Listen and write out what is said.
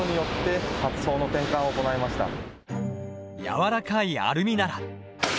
やわらかいアルミなら。